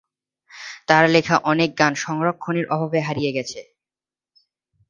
তার লেখা অনেক গান সংরক্ষণের অভাবে হারিয়ে গেছে।